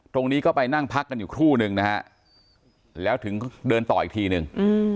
ตรงนี้ก็ไปนั่งพักกันอยู่ครู่นึงนะฮะแล้วถึงเดินต่ออีกทีนึง